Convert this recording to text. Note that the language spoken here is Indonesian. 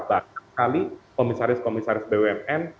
banyak sekali komisaris komisaris bumn